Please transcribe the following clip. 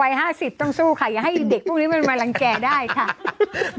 ๕๐ต้องสู้ค่ะอย่าให้เด็กพวกนี้มันมารังแก่ได้ค่ะ